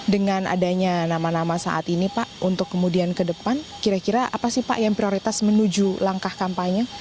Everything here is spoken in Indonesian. dengan adanya nama nama saat ini pak untuk kemudian ke depan kira kira apa sih pak yang prioritas menuju langkah kampanye